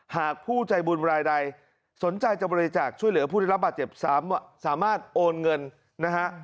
หากผู้ใจบุญรายใดสนใจจะบริจาคช่วยเหลือผู้ได้รับบาดเจ็บสามารถโอนเงินนะฮะ